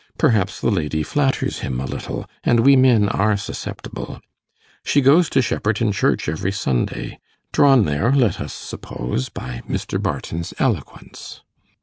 Perhaps the lady flatters him a little, and we men are susceptible. She goes to Shepperton Church every Sunday drawn there, let us suppose, by Mr. Barton's eloquence.